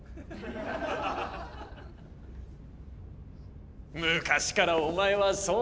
昔からお前はそうだった。